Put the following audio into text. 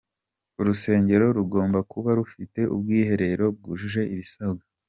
Urusengero rugomba kuba rufite ubwiherero bwujuje ibisabwa.